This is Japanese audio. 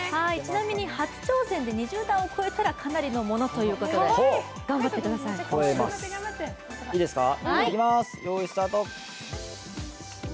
ちなみに初挑戦で２０段を超えたらかなりのものということで超えます。